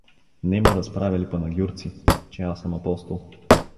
Нему разправяли панагюрци, че аз съм апостол.